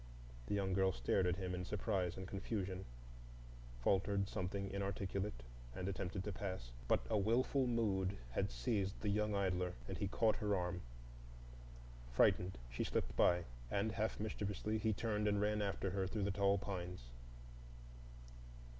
The young girl stared at him in surprise and confusion,—faltered something inarticulate, and attempted to pass. But a wilful mood had seized the young idler, and he caught at her arm. Frightened, she slipped by; and half mischievously he turned and ran after her through the tall pines.